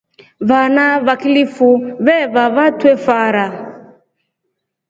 Vana va kilifu veeva vatwe fara.